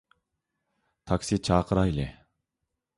تاكسى چاقىرايلى.